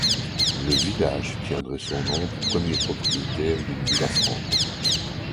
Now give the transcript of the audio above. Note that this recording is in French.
Le village tiendrait son nom du premier propriétaire d'une villa franque.